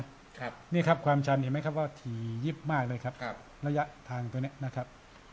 ครับนี่ครับความชันเห็นไหมครับว่าถี่ยิบมากเลยครับครับระยะทางตัวเนี้ยนะครับ